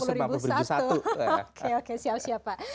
bertambah ya pak jadi satu ratus lima puluh ribu satu oke oke siap siap pak